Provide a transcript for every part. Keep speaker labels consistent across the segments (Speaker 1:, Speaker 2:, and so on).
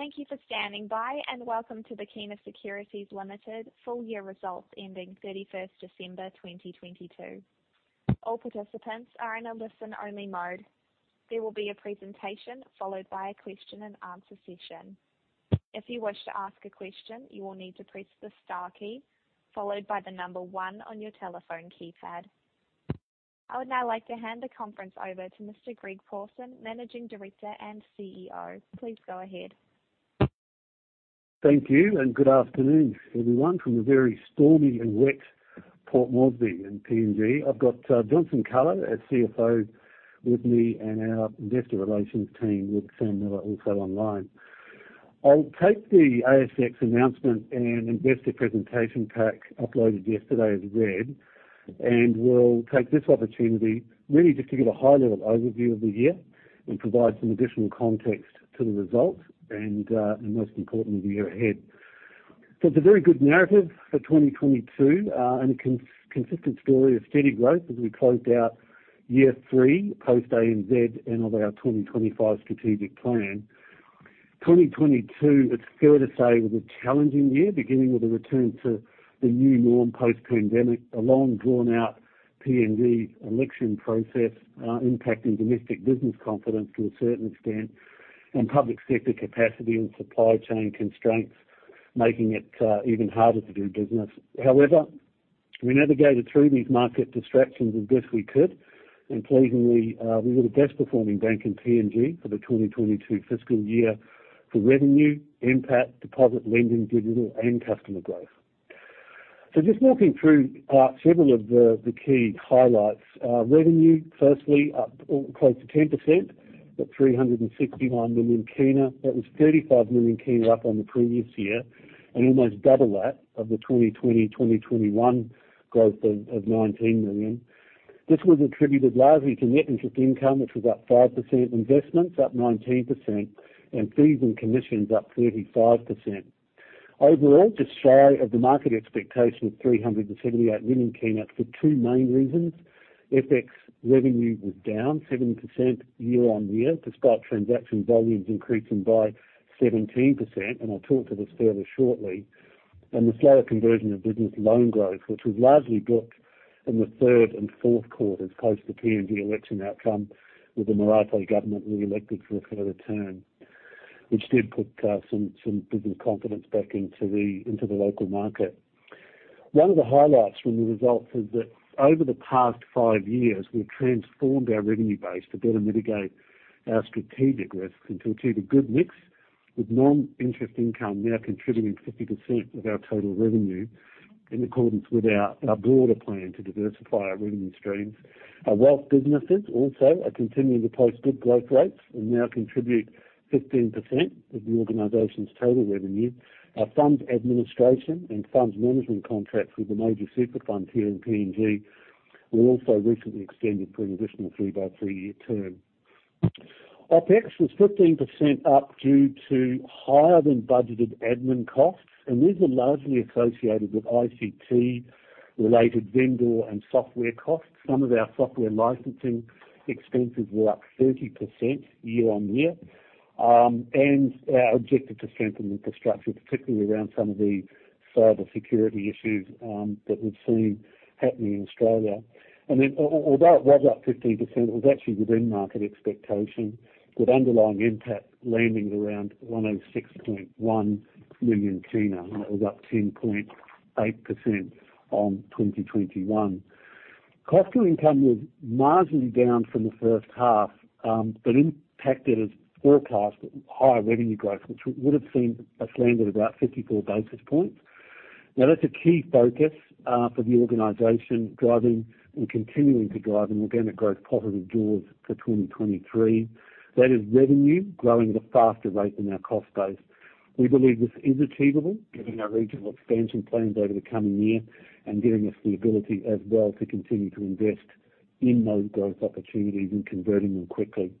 Speaker 1: Thank you for standing by, welcome to the Kina Securities Limited Full Year Results Ending 31st December 2022. All participants are in a listen-only mode. There will be a presentation followed by a question and answer session. If you wish to ask a question, you will need to press the star key followed by 1 on your telephone keypad. I would now like to hand the conference over to Mr. Greg Pawson, Managing Director and CEO. Please go ahead.
Speaker 2: Thank you. Good afternoon, everyone, from a very stormy and wet Port Moresby in PNG. I've got Johnson Kalo as CFO with me and our investor relations team with Sam Miller also online. I'll take the ASX announcement and investor presentation pack uploaded yesterday as read. We'll take this opportunity really just to give a high-level overview of the year and provide some additional context to the results and most importantly, the year ahead. It's a very good narrative for 2022 and a consistent story of steady growth as we closed out year three post ANZ end of our 2025 strategic plan. 2022, it's fair to say was a challenging year, beginning with a return to the new norm post-pandemic, a long drawn-out PNG election process, impacting domestic business confidence to a certain extent, public sector capacity and supply chain constraints making it even harder to do business. However, we navigated through these market distractions as best we could. Pleasingly, we were the best-performing bank in PNG for the 2022 fiscal year for revenue, NPAT, deposit lending, digital, and customer growth. Just walking through several of the key highlights. Revenue, firstly, up or close to 10%, at PGK 369 million. That was PGK 35 million up on the previous year and almost double that of the 2020, 2021 growth of PGK 19 million. This was attributed largely to net interest income, which was up 5%, investments up 19%, and fees and commissions up 35%. Overall, just shy of the market expectation of PGK 378 million for two main reasons. FX revenue was down 7% year-on-year, despite transaction volumes increasing by 17%. I'll talk to this further shortly. The slower conversion of business loan growth, which was largely booked in the third and fourth quarters post the PNG election outcome, with the Marape Government reelected for a further term, which did put some business confidence back into the local market. One of the highlights from the results is that over the past five years, we've transformed our revenue base to better mitigate our strategic risks and to achieve a good mix, with non-interest income now contributing 50% of our total revenue, in accordance with our broader plan to diversify our revenue streams. Our wealth businesses also are continuing to post good growth rates and now contribute 15% of the organization's total revenue. Our Funds Administration and Funds Management contracts with the major super funds here in PNG were also recently extended for an additional three-by-three-year term. OpEx was 15% up due to higher than budgeted admin costs, and these were largely associated with ICT-related vendor and software costs. Some of our software licensing expenses were up 30% year-on-year. Our objective to strengthen infrastructure, particularly around some of the cybersecurity issues that we've seen happening in Australia. Although it was up 15%, it was actually within market expectation, with underlying NPAT landing at around PGK 106.1 million, and that was up 10.8% on 2021. Cost to income was marginally down from the first half, but impacted as forecast higher revenue growth, which would have seen us land at about 54 basis points. That's a key focus for the organization driving and continuing to drive an organic growth positive jaws for 2023. That is revenue growing at a faster rate than our cost base. We believe this is achievable given our regional expansion plans over the coming year and giving us the ability as well to continue to invest in those growth opportunities and converting them quickly.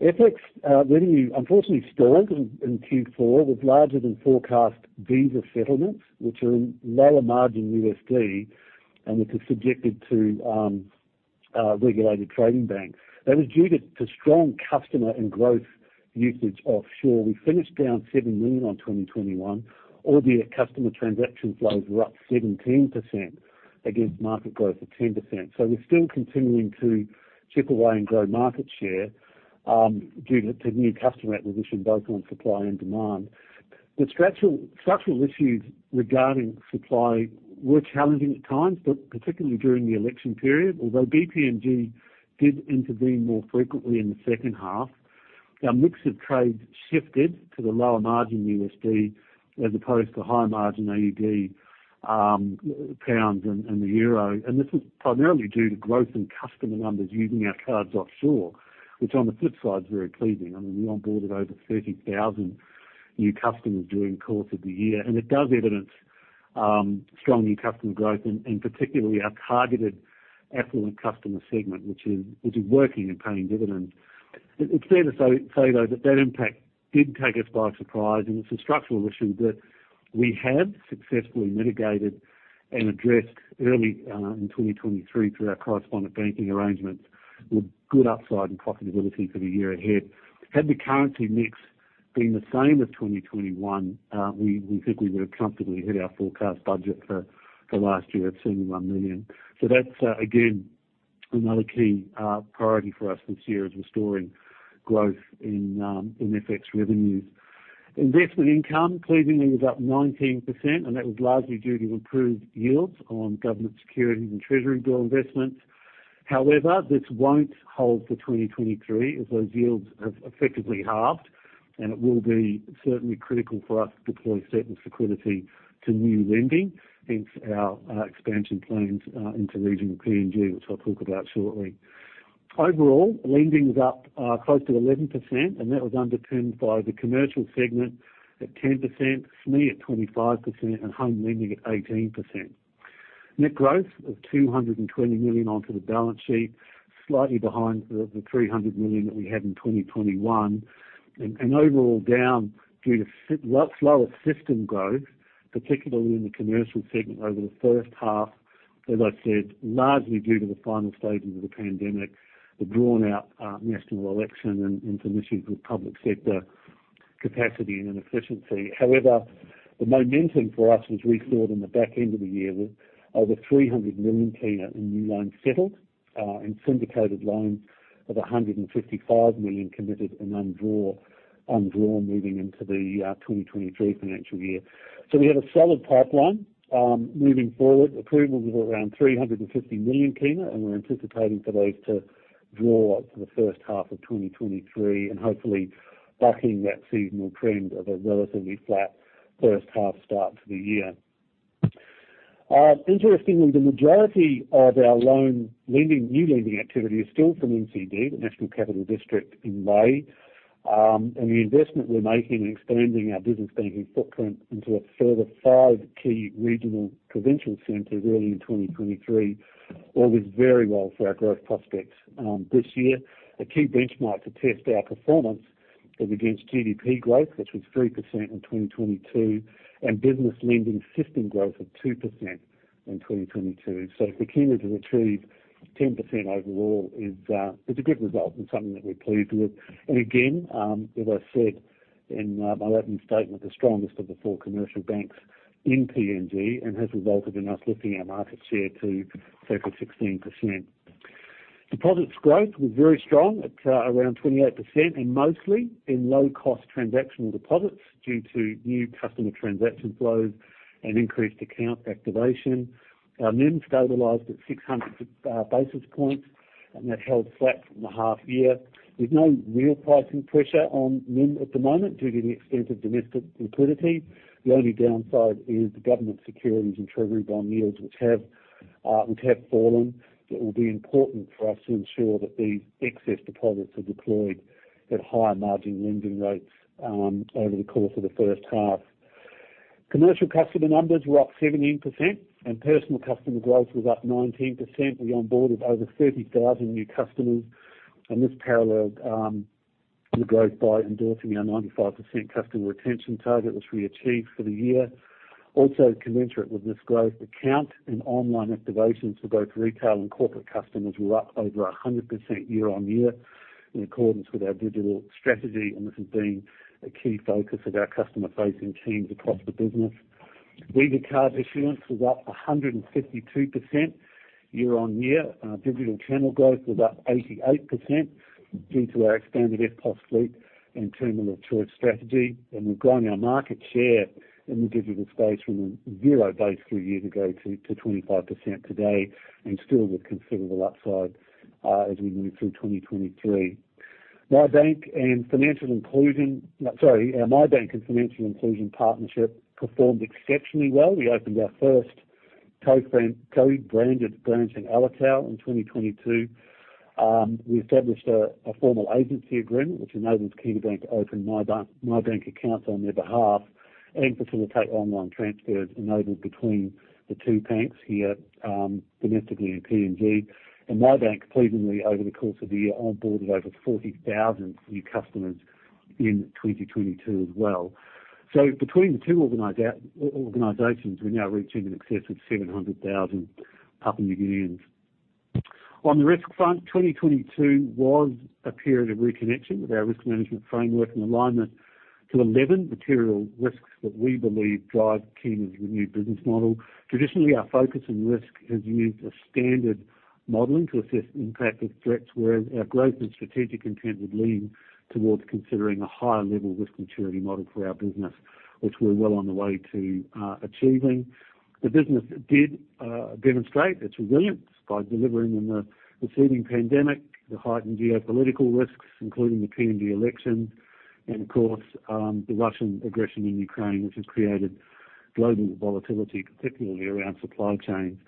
Speaker 2: FX revenue unfortunately stalled in Q4 with larger than forecast Visa settlements, which are in lower margin USD and which are subjected to regulated trading banks. That was due to strong customer and growth usage offshore. We finished down PGK 7 million on 2021, albeit customer transaction flows were up 17% against market growth of 10%. We're still continuing to chip away and grow market share due to new customer acquisition, both on supply and demand. The structural issues regarding supply were challenging at times, but particularly during the election period. Although BPNG did intervene more frequently in the second half, our mix of trades shifted to the lower margin USD as opposed to higher margin AUD, pounds and the Euro. This is primarily due to growth in customer numbers using our cards offshore, which on the flip side is very pleasing. I mean, we onboarded over 30,000 new customers during the course of the year. It does evidence strong new customer growth and particularly our targeted affluent customer segment, which is working and paying dividends. It's fair to say, though, that impact did take us by surprise, and it's a structural issue that we have successfully mitigated and addressed early in 2023 through our correspondent banking arrangements with good upside and profitability for the year ahead. Had the currency mix been the same as 2021, we think we would have comfortably hit our forecast budget for last year at PGK 71 million. That's again another key priority for us this year, is restoring growth in FX revenues. Investment income, pleasingly, was up 19%, and that was largely due to improved yields on government securities and Treasury Bill investments. However, this won't hold for 2023 as those yields have effectively halved, and it will be certainly critical for us to deploy certain liquidity to new lending, hence our expansion plans into regional PNG, which I'll talk about shortly. Overall, lending's up close to 11%, and that was underpinned by the commercial segment at 10%, SME at 25%, and home lending at 18%. Net growth of PGK 220 million onto the balance sheet, slightly behind the PGK 300 million that we had in 2021. Overall down due to slower system growth, particularly in the commercial segment over the first half, as I said, largely due to the final stages of the pandemic, the drawn-out national election and some issues with public sector capacity and efficiency. However, the momentum for us was restored in the back end of the year, with over PGK 300 million in new loans settled, and syndicated loans of PGK 155 million committed in undrawn moving into the 2023 financial year. We have a solid pipeline. Moving forward, approvals of around PGK 350 million. We're anticipating for those to draw for the first half of 2023. Hopefully bucking that seasonal trend of a relatively flat first half start to the year. Interestingly, the majority of our loan lending, new lending activity is still from NCD, the National Capital District in Lae. The investment we're making in expanding our business banking footprint into a further five key regional provincial centers early in 2023 all bodes very well for our growth prospects this year. A key benchmark to test our performance is against GDP growth, which was 3% in 2022, and business lending system growth of 2% in 2022. For Kina to achieve 10% overall is a good result and something that we're pleased with. Again, as I said in my opening statement, the strongest of the four commercial banks in PNG and has resulted in us lifting our market share to circa 16%. Deposits growth was very strong at around 28% and mostly in low-cost transactional deposits due to new customer transaction flows and increased account activation. Our NIM stabilized at 600 basis points, and that held flat from the half year. There's no real pricing pressure on NIM at the moment due to the extent of domestic liquidity. The only downside is the government securities and treasury bond yields, which have fallen, but will be important for us to ensure that these excess deposits are deployed at higher margin lending rates over the course of the first half. Commercial customer numbers were up 17%, and personal customer growth was up 19%. We onboarded over 30,000 new customers, and this paralleled the growth by endorsing our 95% customer retention target, which we achieved for the year. Also commensurate with this growth account and online activations for both retail and corporate customers were up over 100% year-on-year in accordance with our digital strategy, and this has been a key focus of our customer-facing teams across the business. Visa card issuance was up 152% year-on-year. Our digital channel growth was up 88% due to our expanded EFTPOS fleet and terminal choice strategy. We've grown our market share in the digital space from a 0 base three years ago to 25% today, and still with considerable upside as we move through 2023. Our MyBank and financial inclusion partnership performed exceptionally well. We opened our first co-branded branch in Alotau in 2022. We established a formal agency agreement which enables Kina Bank to open MyBank accounts on their behalf and facilitate online transfers enabled between the two banks here domestically in PNG. MyBank, pleasingly, over the course of the year, onboarded over 40,000 new customers in 2022 as well. Between the two organizations, we're now reaching in excess of 700,000 Papua New Guineans. On the risk front, 2022 was a period of reconnection with our risk management framework and alignment to 11 material risks that we believe drive Kina's renewed business model. Traditionally, our focus on risk has used a standard modeling to assess the impact of threats, whereas our growth and strategic intent would lean towards considering a higher level risk maturity model for our business, which we're well on the way to achieving. The business did demonstrate its resilience by delivering in the preceding pandemic, the heightened geopolitical risks, including the PNG election and of course, the Russian aggression in Ukraine, which has created global volatility, particularly around supply chains.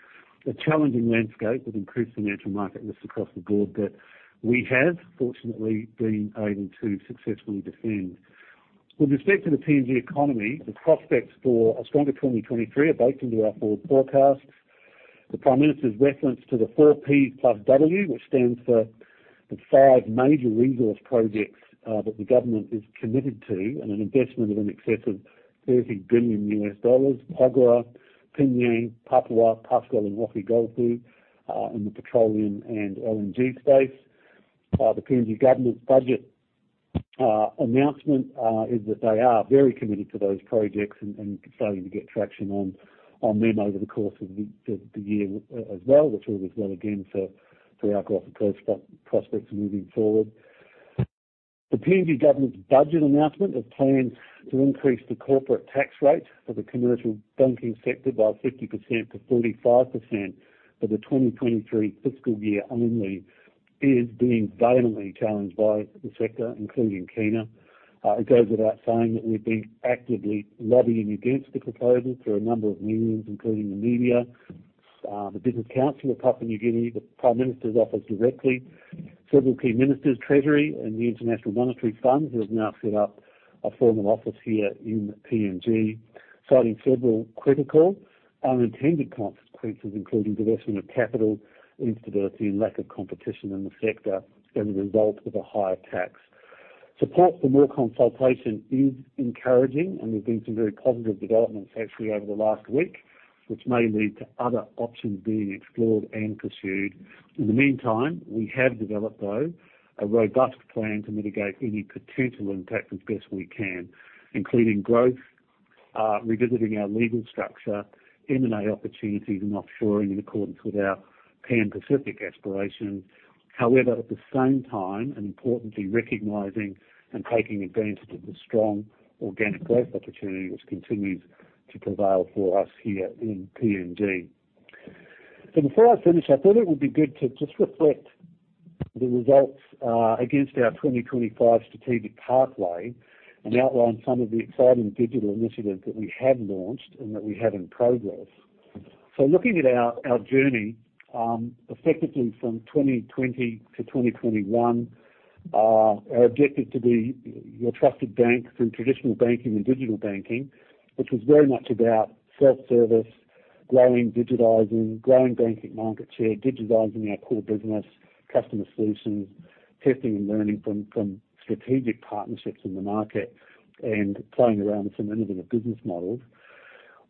Speaker 2: A challenging landscape with increased financial market risk across the board that we have fortunately been able to successfully defend. With respect to the PNG economy, the prospects for a stronger 2023 are baked into our forward forecast. The Prime Minister's reference to the four Ps plus W, which stands for the five major resource projects, that the government is committed to and an investment of in excess of $30 billion. Porgera, P'nyang, Papua, Pasca A, and Wafi-Golpu, in the petroleum and LNG space. The PNG government's budget announcement is that they are very committed to those projects and starting to get traction on them over the course of the year as well, which all is well again for our growth prospects moving forward. The PNG government's budget announcement of plans to increase the corporate tax rate for the commercial banking sector by 50% to 45% for the 2023 fiscal year only is being violently challenged by the sector, including Kina. It goes without saying that we've been actively lobbying against the proposal through a number of means, including the media, the Business Council of Papua New Guinea, the Prime Minister's office directly, several key ministers, treasury, and the International Monetary Fund, who have now set up a formal office here in PNG. Citing several critical unintended consequences, including diversion of capital, instability, and lack of competition in the sector as a result of a higher tax. Support for more consultation is encouraging, and there's been some very positive developments actually over the last week, which may lead to other options being explored and pursued. In the meantime, we have developed, though, a robust plan to mitigate any potential impact as best we can, including growth, revisiting our legal structure, M&A opportunities, and offshoring in accordance with our Pan Pacific aspirations. At the same time, and importantly, recognizing and taking advantage of the strong organic growth opportunity which continues to prevail for us here in PNG. Before I finish, I thought it would be good to just reflect the results, against our 2025 strategic pathway and outline some of the exciting digital initiatives that we have launched and that we have in progress. Looking at our journey, effectively from 2020 to 2021, our objective to be your trusted bank through traditional banking and digital banking, which was very much about self-service, growing, digitizing, growing banking market share, digitizing our core business, customer solutions, testing and learning from strategic partnerships in the market, and playing around with some innovative business models.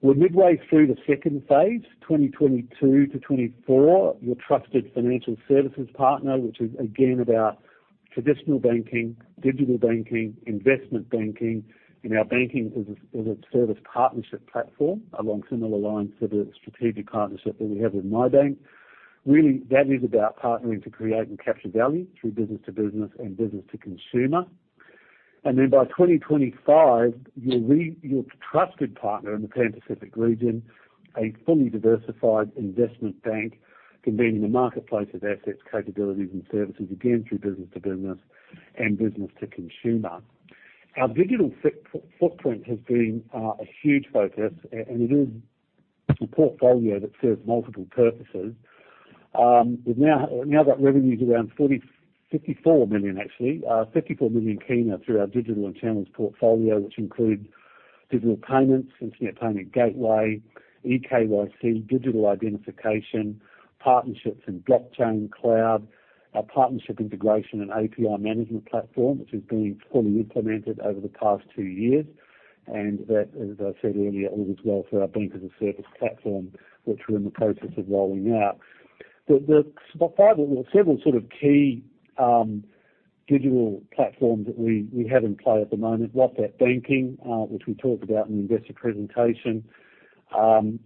Speaker 2: We're midway through the second phase, 2022 to 24, your trusted financial services partner, which is again about traditional banking, digital banking, investment banking in our Banking-as-a-Service partnership platform, along similar lines to the strategic partnership that we have with MyBank. Really, that is about partnering to create and capture value through business to business and business to consumer. By 2025, your trusted partner in the Pan Pacific Region, a fully diversified investment bank convening a marketplace of assets, capabilities, and services, again, through business to business and business to consumer. Our digital footprint has been a huge focus, and it is a portfolio that serves multiple purposes. We've now got revenues around PGK 54 million actually. PGK 54 million through our digital and channels portfolio, which include digital payments, instant payment gateway, eKYC, digital identification, partnerships in blockchain, cloud, our partnership integration and API management platform, which is being fully implemented over the past two years. That, as I said earlier, all is well for our Bank-as-a-Service platform, which we're in the process of rolling out. Several sort of key digital platforms that we have in play at the moment, WhatsApp Banking, which we talked about in the investor presentation.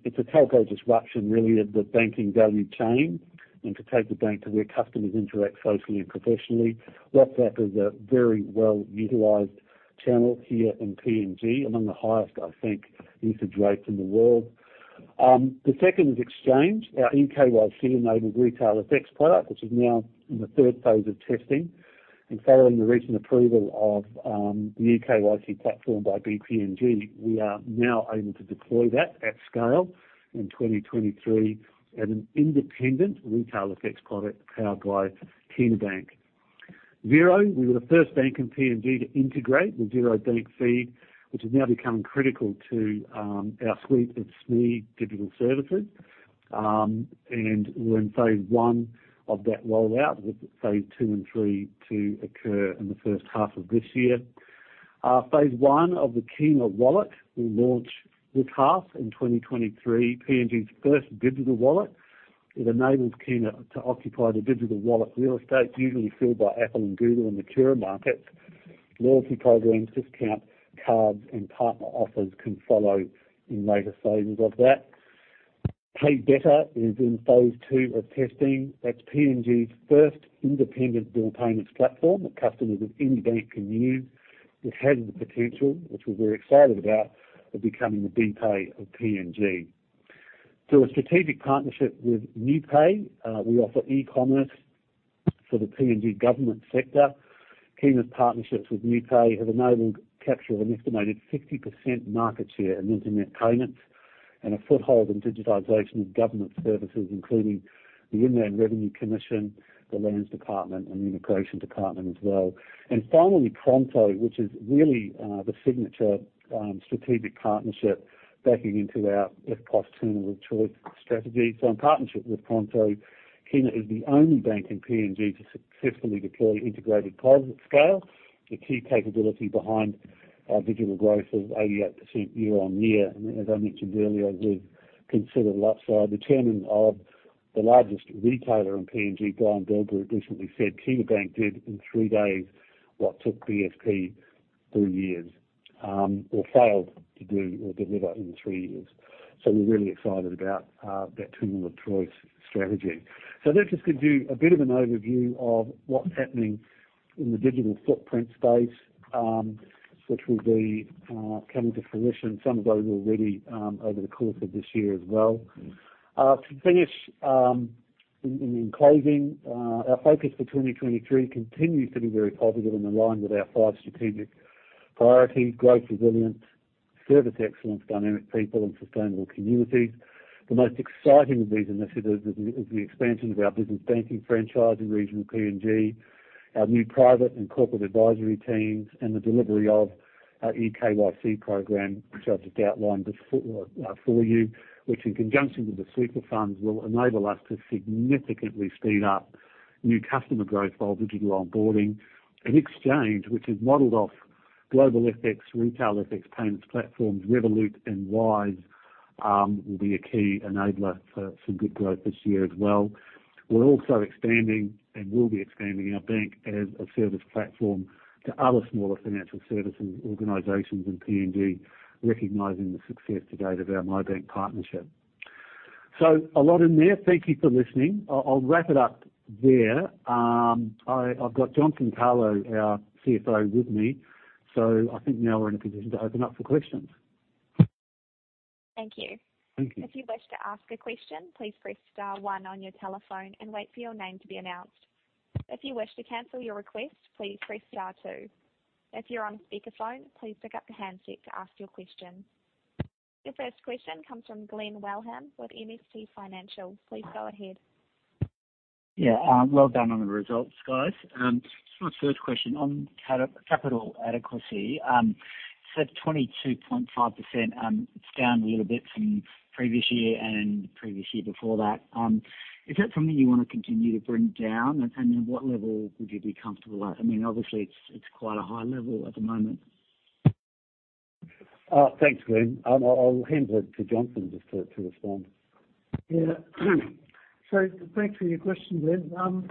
Speaker 2: It's a telco disruption really of the banking value chain, and to take the bank to where customers interact socially and professionally. WhatsApp is a very well-utilized channel here in PNG, among the highest, I think, usage rates in the world. The second is Exchange, our eKYC enabled retail FX product, which is now in the third phase of testing. Following the recent approval of the eKYC platform by BPNG, we are now able to deploy that at scale in 2023 as an independent retail FX product powered by Kina Bank. Xero. We were the first bank in PNG to integrate with Xero bank feed, which has now become critical to our suite of SME digital services. We're in phase I of that rollout, with phase II and III to occur in the first half of this year. Phase I of the Kina Wallet will launch this half in 2023, PNG's first digital wallet. It enables Kina to occupy the digital wallet real estate usually filled by Apple and Google in mature markets. Loyalty programs, discount cards, and partner offers can follow in later phases of that. Pei Beta is in phase II of testing. That's PNG's first independent bill payments platform that customers of any bank can use. It has the potential, which we're very excited about, of becoming the BPAY of PNG. Through a strategic partnership with NiuPay, we offer e-commerce for the PNG government sector. Kina's partnerships with NiuPay have enabled capture of an estimated 60% market share in internet payments and a foothold in digitization of government services, including the Internal Revenue Commission, the Lands Department, and the Immigration Department as well. Finally, Pronto, which is really the signature strategic partnership backing into our EFTPOS terminal choice strategy. In partnership with Pronto, Kina is the only bank in PNG to successfully deploy integrated POS scale. The key capability behind digital growth of 88% year-on-year. As I mentioned earlier, we've considered side determinant of the largest retailer in PNG. Brian Bell recently said Kina Bank did in three days what took BSP three years or failed to do or deliver in three years. We're really excited about that terminal of choice strategy. That just gives you a bit of an overview of what's happening in the digital footprint space, which will be coming to fruition some of those already over the course of this year as well. To finish, in closing, our focus for 2023 continues to be very positive and aligned with our five strategic priorities, growth, resilience, service excellence, dynamic people, and sustainable communities. The most exciting of these initiatives is the expansion of our business banking franchise in regional PNG, our new private and corporate advisory teams, and the delivery of our eKYC program, which I've just outlined just for you, which in conjunction with the provident funds will enable us to significantly speed up new customer growth while digital onboarding. In Exchange, which is modeled off global FX, retail FX payments platforms, Revolut and Wise, will be a key enabler for good growth this year as well. We're also expanding and will be expanding our Banking-as-a-Service platform to other smaller financial services organizations in PNG, recognizing the success to date of our MyBank partnership. A lot in there. Thank you for listening. I'll wrap it up there. I've got Johnson Kalo, our CFO, with me. I think now we're in a position to open up for questions.
Speaker 1: Thank you.
Speaker 2: Thank you.
Speaker 1: If you wish to ask a question, please press star one on your telephone and wait for your name to be announced. If you wish to cancel your request, please press star two. If you're on speakerphone, please pick up the handset to ask your question. Your first question comes from Glen Wellham with MST Financial. Please go ahead.
Speaker 3: Yeah, well done on the results, guys. My first question on capital adequacy, 22.5%, it's down a little bit from previous year and the previous year before that. Is that something you wanna continue to bring down? Then what level would you be comfortable at? I mean, obviously it's quite a high level at the moment. Thanks, Glen. I'll hand over to Johnson just to respond.
Speaker 4: Yeah. Thanks for your question, Glen.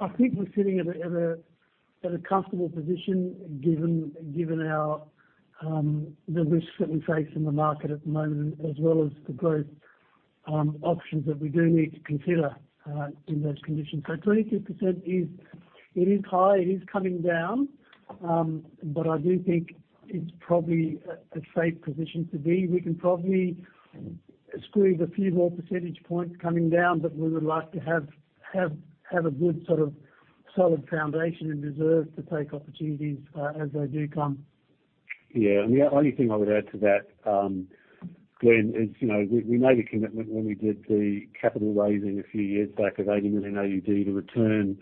Speaker 4: I think we're sitting at a comfortable position given our the risks that we face in the market at the moment, as well as the growth options that we do need to consider in those conditions. 22% is, it is high, it is coming down. I do think it's probably a safe position to be. We can probably squeeze a few more percentage points coming down, but we would like to have a good sort of solid foundation and reserve to take opportunities as they do come.
Speaker 3: Yeah. The only thing I would add to that, Glen, is, you know, we made a commitment when we did the capital raising a few years back of 80 million AUD to return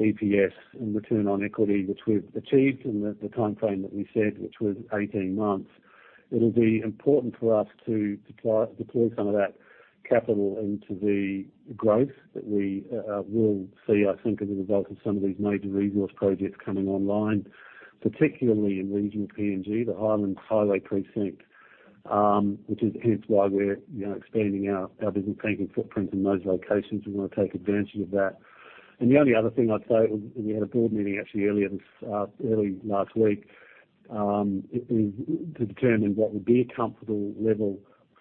Speaker 3: EPS and return on equity, which we've achieved in the timeframe that we set, which was 18 months. It'll be important for us to deploy some of that capital into the growth that we will see, I think, as a result of some of these major resource projects coming online, particularly in regional PNG, the Highlands Highway precinct, which is hence why we're, you know, expanding our business banking footprint in those locations. We wanna take advantage of that. The only other thing I'd say, we had a board meeting actually earlier this, early last week, is to determine what would be a comfortable level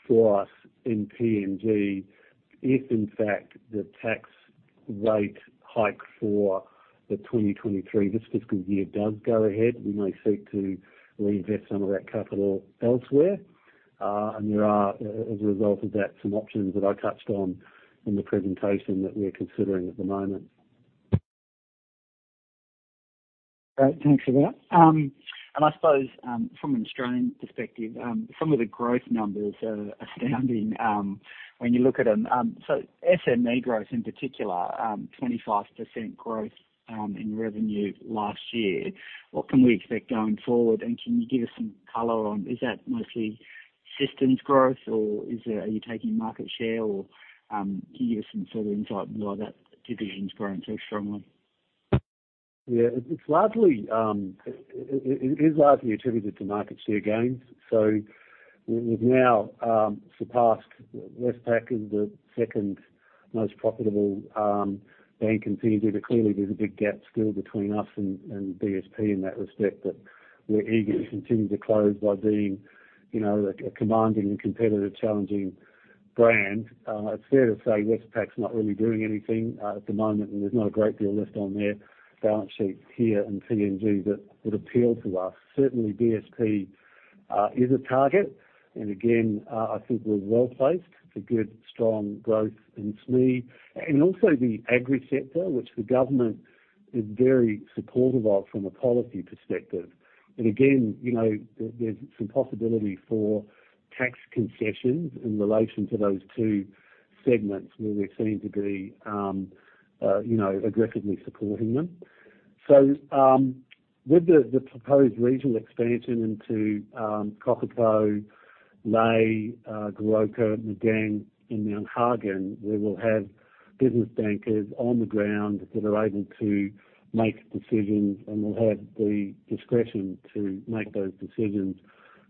Speaker 3: for us in PNG. If in fact the tax rate hike for the 2023, this fiscal year does go ahead, we may seek to reinvest some of that capital elsewhere. There are, as a result of that, some options that I touched on in the presentation that we're considering at the moment. Great. Thanks for that. I suppose, from an Australian perspective, some of the growth numbers are astounding, when you look at them. SME growth in particular, 25% growth in revenue last year. What can we expect going forward? Can you give us some color on, is that mostly systems growth or is it, are you taking market share or, can you give some sort of insight into why that division's growing so strongly?
Speaker 2: Yeah. It's largely, it is largely attributed to market share gains. We've now surpassed Westpac as the second most profitable bank in PNG. Clearly there's a big gap still between us and BSP in that respect. We're eager to continue to close by being, you know, a commanding and competitive challenging brand. It's fair to say Westpac's not really doing anything at the moment, and there's not a great deal left on their balance sheet here in PNG that would appeal to us. Certainly BSP is a target. Again, I think we're well placed for good, strong growth in SME and also the Agri Sector, which the government is very supportive of from a policy perspective. Again, you know, there's some possibility for tax concessions in relation to those two segments where we seem to be, you know, aggressively supporting them. With the proposed regional expansion into Kokopo, Lae, Goroka, Madang, and Mount Hagen, we will have business bankers on the ground that are able to make decisions and will have the discretion to make those decisions.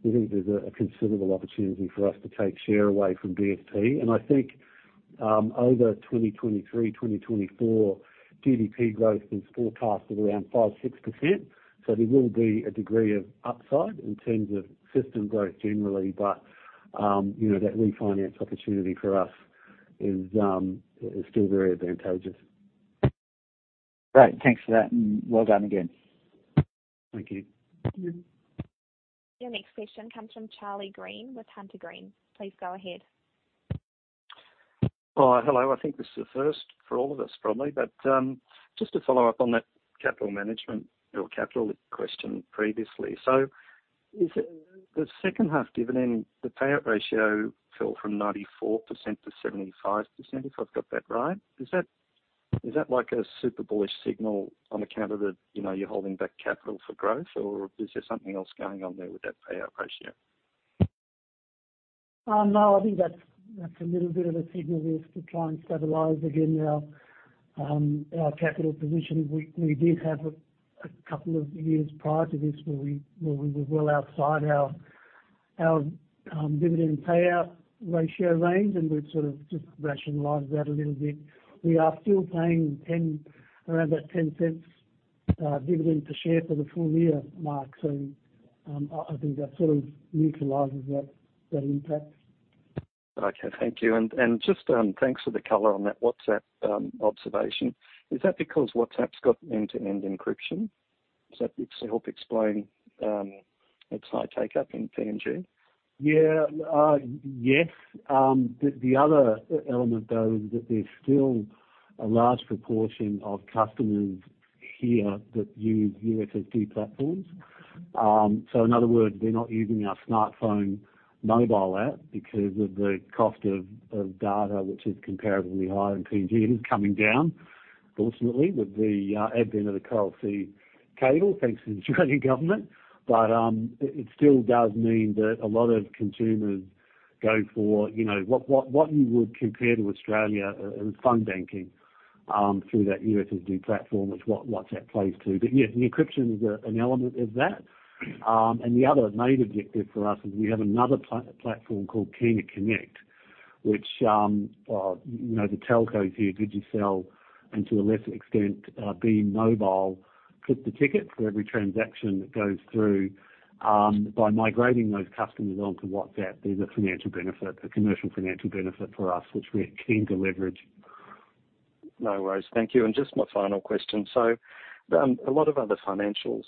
Speaker 2: We think there's a considerable opportunity for us to take share away from BSP. I think, over 2023, 2024, GDP growth is forecasted around 5%, 6%. There will be a degree of upside in terms of system growth generally, but, you know, that refinance opportunity for us is still very advantageous.
Speaker 3: Great. Thanks for that, and well done again.
Speaker 2: Thank you.
Speaker 1: Your next question comes from Charlie Green with Hunter Green. Please go ahead.
Speaker 5: Hello. I think this is a first for all of us, probably. just to follow up on that capital management or capital question previously. is the second half dividend, the payout ratio fell from 94% to 75%, if I've got that right. Is that like a super bullish signal on account of the, you know, you're holding back capital for growth? Or is there something else going on there with that payout ratio?
Speaker 2: No, I think that's a little bit of a signal just to try and stabilize, again, our capital position. We did have a couple of years prior to this where we were well outside our dividend payout ratio range, and we've sort of just rationalized that a little bit. We are still paying PGK 0.10 dividend per share for the full year, Mark. I think that sort of neutralizes that impact.
Speaker 5: Okay. Thank you. Just, thanks for the color on that WhatsApp observation. Is that because WhatsApp's got end-to-end encryption? Does that help explain its high take-up in PNG?
Speaker 2: Yes. The other element, though, is that there's still a large proportion of customers here that use USSD platforms. In other words, they're not using our smartphone mobile app because of the cost of data, which is comparatively high in PNG. It is coming down, fortunately, with the advent of the Coral Sea Cable, thanks to the Australian government. It still does mean that a lot of consumers go for, you know, what you would compare to Australia, as phone banking, through that USSD platform, which WhatsApp plays to. Yeah, the encryption is an element of that. The other main objective for us is we have another platform called Kina Konnect, which, you know, the telcos here, Digicel, and to a lesser extent, Bmobile, clip the ticket for every transaction that goes through. By migrating those customers onto WhatsApp, there's a financial benefit, a commercial financial benefit for us, which we're keen to leverage.
Speaker 5: No worries. Thank you. Just my final question. A lot of other financials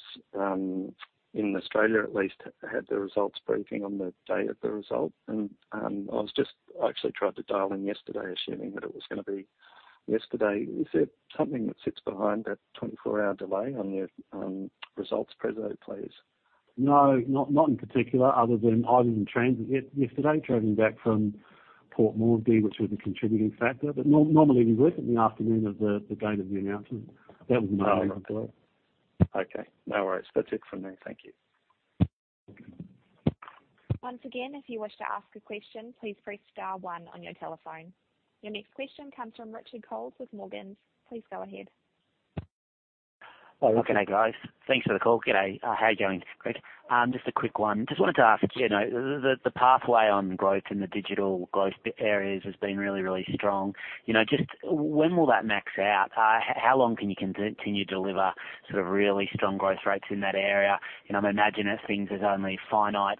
Speaker 5: in Australia at least had their results briefing on the day of the result. I actually tried to dial in yesterday, assuming that it was gonna be yesterday. Is there something that sits behind that 24-hour delay on your results presentation, please?
Speaker 2: No, not in particular, other than I was in transit yesterday, traveling back from Port Moresby, which was a contributing factor. Normally we work in the afternoon of the date of the announcement. That was my only delay.
Speaker 5: Okay. No worries. That's it from me. Thank you.
Speaker 1: Once again, if you wish to ask a question, please press star one on your telephone. Your next question comes from Richard Coles with Morgans. Please go ahead.
Speaker 6: Well, look, good day, guys. Thanks for the call. Good day. How are you going, Greg? Just a quick one. Just wanted to ask, you know, the pathway on growth in the digital growth areas has been really, really strong. You know, when will that max out? How long can you continue to deliver sort of really strong growth rates in that area? You know, I'm imagining that things, there's only a finite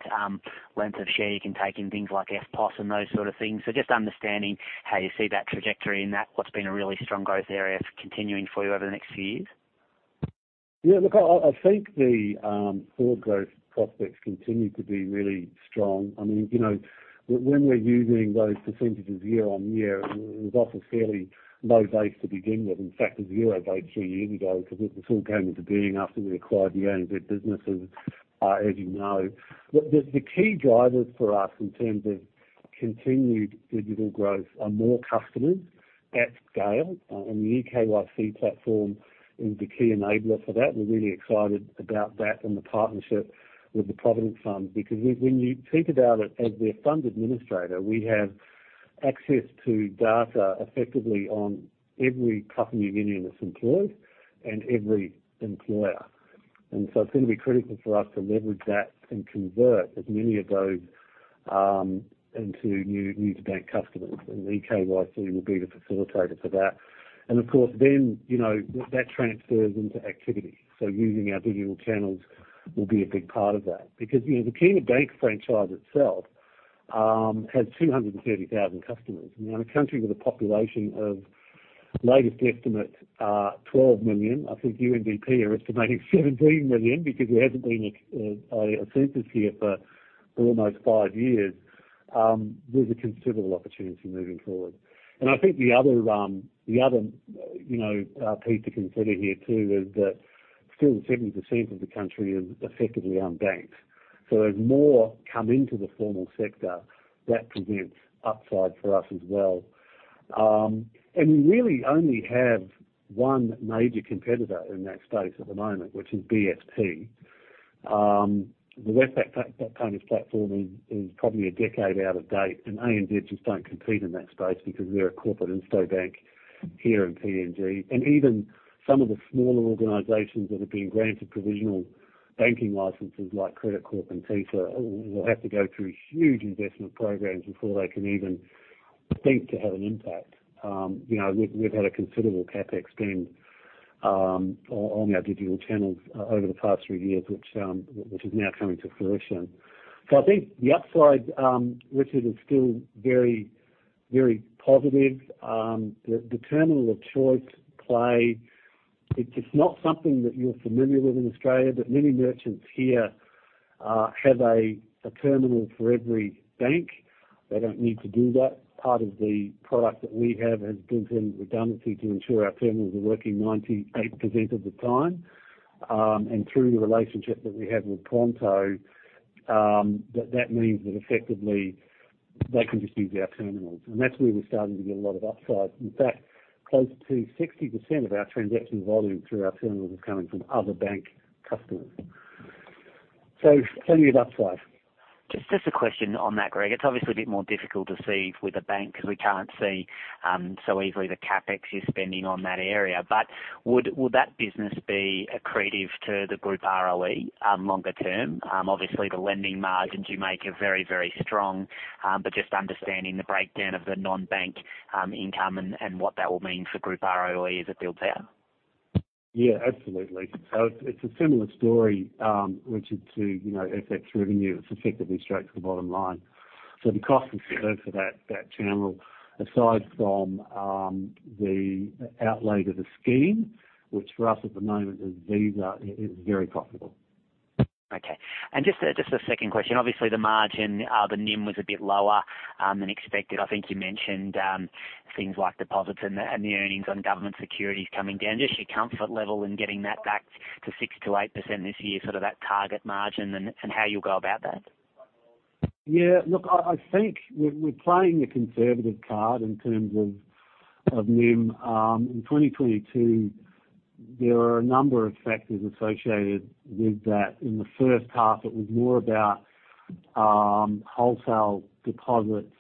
Speaker 6: length of share you can take in things like EFTPOS and those sort of things. Just understanding how you see that trajectory in that, what's been a really strong growth area continuing for you over the next few years.
Speaker 2: Look, I think the forward growth prospects continue to be really strong. I mean, you know, when we're using those percentages year-on-year, it was off a fairly low base to begin with. In fact, it was zero base three years ago 'cause it, this all came into being after we acquired the ANZ businesses, as you know. The key drivers for us in terms of continued digital growth are more customers at scale, and the eKYC platform is the key enabler for that. We're really excited about that and the partnership with the Provident Fund, because when you think about it as we're fund administrator, we have access to data effectively on every company union that's employed and every employer. It's gonna be critical for us to leverage that and convert as many of those into new-to-bank customers, and eKYC will be the facilitator for that. Of course then, you know, that transfers into activity. Using our digital channels will be a big part of that. You know, the Kina Bank franchise itself, has 230,000 customers. In a country with a population of latest estimate, 12 million, I think UNDP are estimating 17 million because there hasn't been a census here for almost five years. There's a considerable opportunity moving forward. I think the other, you know, piece to consider here too is that still 70% of the country is effectively unbanked. As more come into the formal sector, that presents upside for us as well. We really only have one major competitor in that space at the moment, which is BSP. The Westpac Partners platform is probably a decade out of date, ANZ just don't compete in that space because we're a corporate insto bank here in PNG. Even some of the smaller organizations that have been granted provisional banking licenses like Credit Corp and TISA, will have to go through huge investment programs before they can even begin to have an impact. You know, we've had a considerable CapEx spend on our digital channels over the past three years, which is now coming to fruition. I think the upside, which is still very, very positive, the terminal of choice play, it's not something that you're familiar with in Australia, but many merchants here have a terminal for every bank. They don't need to do that. Part of the product that we have has built in redundancy to ensure our terminals are working 98% of the time. Through the relationship that we have with Pronto, that means that effectively they can just use our terminals. That's where we're starting to get a lot of upside. In fact, close to 60% of our transaction volume through our terminals is coming from other bank customers. Plenty of upside.
Speaker 6: Just a question on that, Greg. It's obviously a bit more difficult to see with a bank because we can't see so easily the CapEx you're spending on that area. Would that business be accretive to the group ROE longer term? Obviously, the lending margins you make are very, very strong, but just understanding the breakdown of the non-bank income and what that will mean for group ROE as it builds out.
Speaker 2: Yeah, absolutely. It's a similar story, which is to, you know, FX revenue. It's effectively straight to the bottom line. The cost we serve for that channel, aside from the outlay of the scheme, which for us at the moment is Visa, is very profitable.
Speaker 6: Okay. Just a second question. Obviously, the margin, the NIM was a bit lower than expected. I think you mentioned things like deposits and the earnings on government securities coming down. Just your comfort level in getting that back to 6%-8% this year, sort of that target margin and how you'll go about that?
Speaker 2: Yeah. Look, I think we're playing a conservative card in terms of NIM. In 2022, there are a number of factors associated with that. In the first half, it was more about wholesale deposits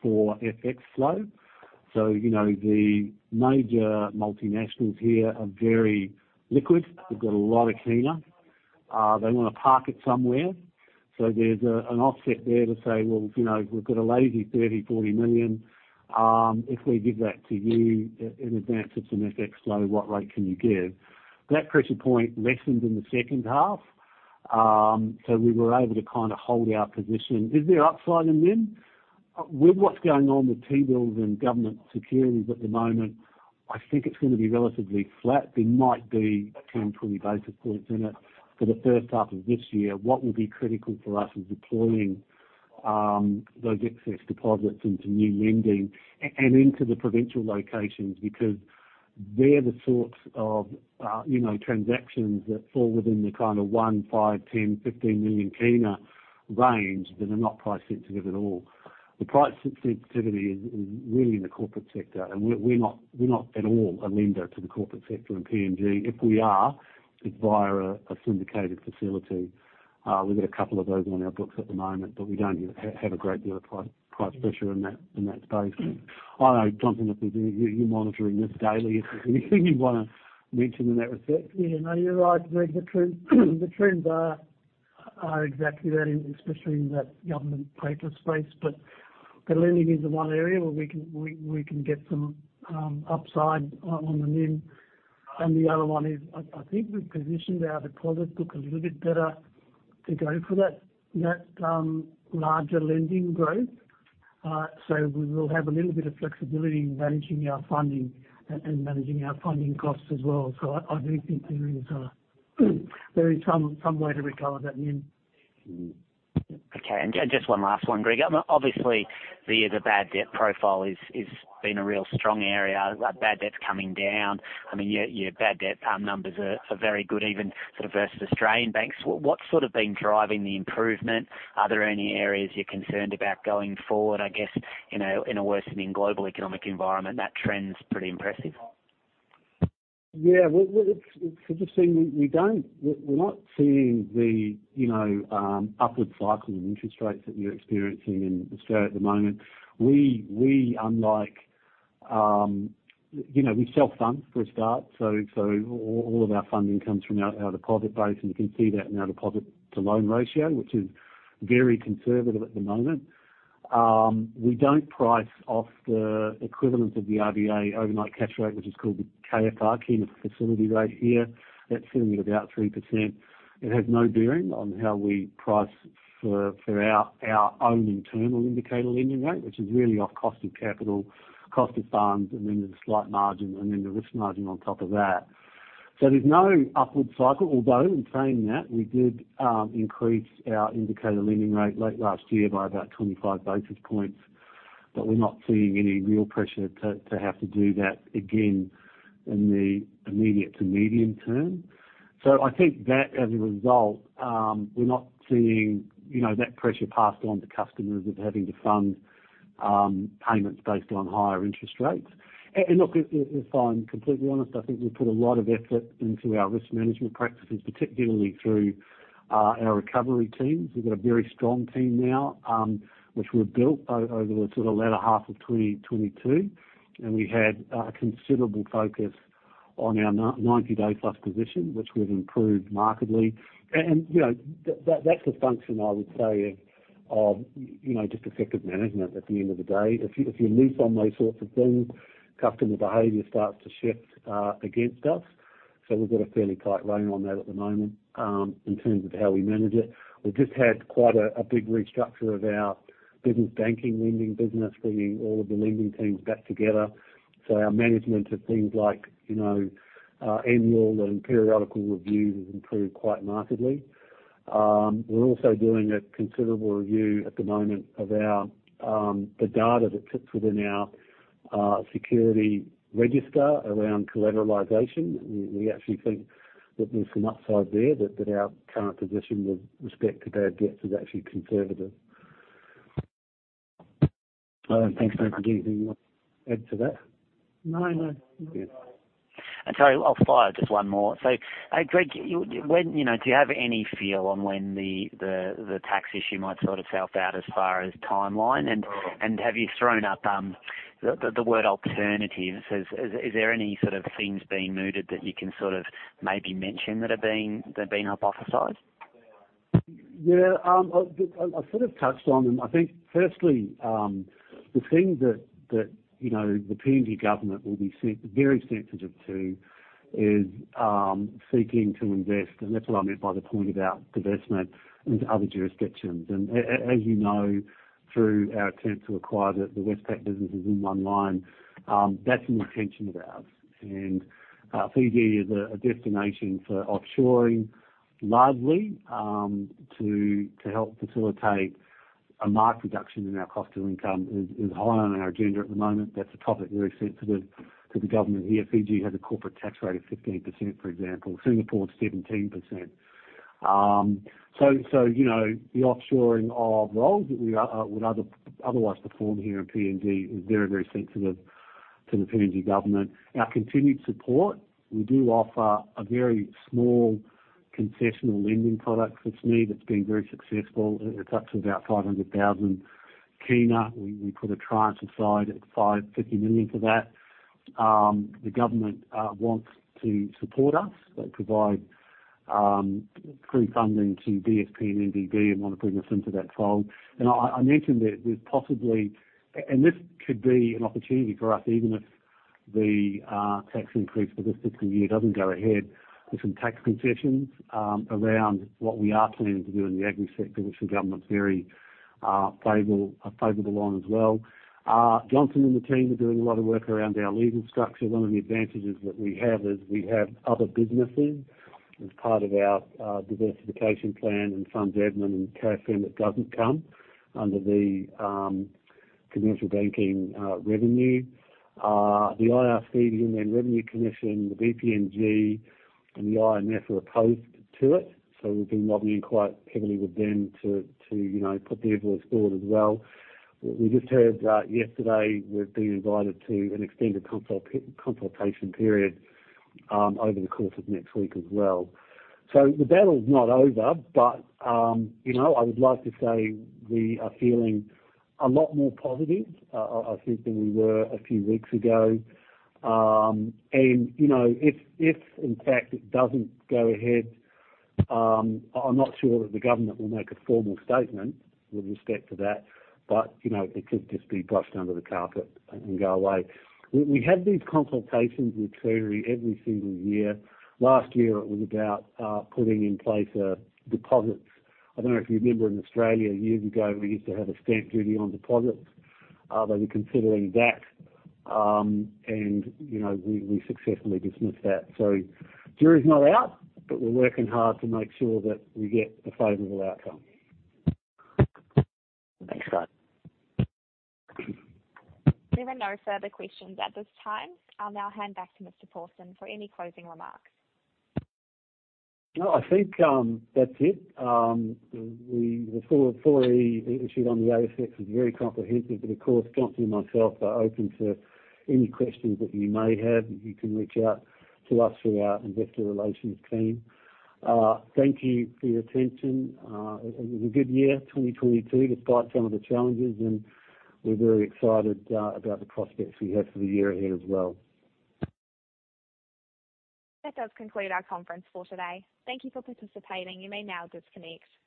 Speaker 2: for FX flow. You know, the major multinationals here are very liquid. They've got a lot of kina. They wanna park it somewhere. There's an offset there to say, "Well, you know, we've got a lazy PGK 30, 40 million, if we give that to you in advance of some FX flow, what rate can you give?" That pressure point lessened in the second half, we were able to kind of hold our position. Is there upside in NIM? With what's going on with T-Bills and government securities at the moment, I think it's gonna be relatively flat. There might be 10, 20 basis points in it for the first half of this year. What will be critical for us is deploying those excess deposits into new lending and into the provincial locations because they're the sorts of, you know, transactions that fall within the kind of PGK 1 million, PGK 5 million, PGK 10 million, PGK 15 million range that are not price sensitive at all. The price sensitivity is really in the corporate sector, and we're not at all a lender to the corporate sector in PNG. If we are, it's via a syndicated facility. We've got a couple of those on our books at the moment, but we don't have a great deal of price pressure in that space. I know, Johnson, if you're monitoring this daily. Is there anything you wanna mention in that respect?
Speaker 4: Yeah. No, you're right, Greg. The trends are exactly that, and especially in that government paper space. The lending is the one area where we can get some upside on the NIM. The other one is, I think we've positioned our deposit book a little bit better to go for that larger lending growth. We will have a little bit of flexibility in managing our funding and managing our funding costs as well. I do think there is some way to recover that NIM.
Speaker 6: Okay. Just one last one, Greg. Obviously the bad debt profile is been a real strong area. Bad debt's coming down. I mean, your bad debt numbers are very good, even sort of versus Australian banks. What's sort of been driving the improvement? Are there any areas you're concerned about going forward? I guess, you know, in a worsening global economic environment, that trend's pretty impressive.
Speaker 2: Well, it's interesting. We're not seeing the, you know, upward cycle in interest rates that you're experiencing in Australia at the moment. We unlike, you know, we self-fund, for a start, all of our funding comes from our deposit base, and you can see that in our deposit to loan ratio, which is very conservative at the moment. We don't price off the equivalent of the RBA overnight cash rate, which is called the KFR, Kina Facility Rate here. That's sitting at about 3%. It has no bearing on how we price for our own internal indicator lending rate, which is really off cost of capital, cost of funds, and then there's a slight margin and then the risk margin on top of that. There's no upward cycle, although in saying that, we did increase our indicator lending rate late last year by about 25 basis points. We're not seeing any real pressure to have to do that again in the immediate to medium term. I think that as a result, we're not seeing, you know, that pressure passed on to customers of having to fund payments based on higher interest rates. Look, if, if I'm completely honest, I think we put a lot of effort into our risk management practices, particularly through our recovery teams. We've got a very strong team now, which were built over the sort of latter half of 2022, and we had a considerable focus on our 90-day plus position, which we've improved markedly. You know, that's a function I would say of, you know, just effective management at the end of the day. If you lose on those sorts of things, customer behavior starts to shift against us. We've got a fairly tight rein on that at the moment in terms of how we manage it. We've just had quite a big restructure of our business banking lending business, bringing all of the lending teams back together. Our management of things like, you know, annual and periodical reviews has improved quite markedly. We're also doing a considerable review at the moment of our the data that sits within our security register around collateralization. We actually think that there's some upside there that our current position with respect to bad debts is actually conservative. Thanks, Dave. Do you have anything you want to add to that?
Speaker 6: No, no.
Speaker 2: Good.
Speaker 6: Sorry, I'll fire just one more. Greg, you know, do you have any feel on when the tax issue might sort itself out as far as timeline? Have you thrown up the word alternatives? Is there any sort of things being mooted that you can sort of maybe mention that have been hypothesized?
Speaker 2: Yeah. I sort of touched on them. I think firstly, the thing that you know, the PNG government will be very sensitive to is seeking to invest, and that's what I meant by the point about divestment into other jurisdictions. As you know, through our attempt to acquire the Westpac businesses in online, that's an intention of ours. Fiji is a destination for offshoring largely to help facilitate a marked reduction in our cost of income is high on our agenda at the moment. That's a topic very sensitive to the government here. Fiji has a corporate tax rate of 15%, for example. Singapore is 17%. You know, the offshoring of roles that we would otherwise perform here in PNG is very sensitive to the PNG government. Our continued support, we do offer a very small concessional lending product that's new, that's been very successful. It's up to about 500,000 PGK. We put a tranche aside at PGK 50 million for that. The government wants to support us. They provide free funding to BSP and NDB and wanna bring us into that fold. I mentioned that there's possibly and this could be an opportunity for us, even if the tax increase for this fiscal year doesn't go ahead. There's some tax concessions around what we are planning to do in the Agri Sector, which the government's very favorable on as well. Johnson and the team are doing a lot of work around our legal structure. One of the advantages that we have is we have other businesses as part of our diversification plan and Funds Administration and Care Firm that doesn't come under the commercial banking revenue. The IRC, the Internal Revenue Commission, the BPNG and the IMF are opposed to it, so we've been lobbying quite heavily with them to, you know, put their voice forward as well. We just heard yesterday we've been invited to an extended consultation period over the course of next week as well. The battle's not over, but, you know, I would like to say we are feeling a lot more positive, I think than we were a few weeks ago. You know, if in fact it doesn't go ahead, I'm not sure that the government will make a formal statement with respect to that, but, you know, it could just be brushed under the carpet and go away. We have these consultations with Treasury every single year. Last year it was about putting in place deposits. I don't know if you remember in Australia years ago, we used to have a stamp duty on deposits. They were considering that, and you know, we successfully dismissed that. Jury's not out, but we're working hard to make sure that we get a favorable outcome.
Speaker 6: Thanks, Greg.
Speaker 1: There are no further questions at this time. I'll now hand back to Mr. Pawson for any closing remarks.
Speaker 2: I think that's it. The full, fully issued on the ASX is very comprehensive. Of course Johnson and myself are open to any questions that you may have. You can reach out to us through our investor relations team. Thank you for your attention. It was a good year, 2022, despite some of the challenges. We're very excited about the prospects we have for the year ahead as well.
Speaker 1: That does conclude our conference for today. Thank You for participating. You may now disconnect.